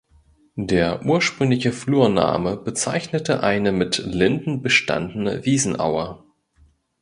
Der ursprüngliche Flurname bezeichnete eine mit Linden bestandene Wiesenaue.